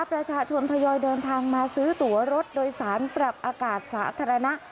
ประชาชนทยอยเดินทางมาซื้อตัวรถโดยสารปรับอากาศสาธารณะ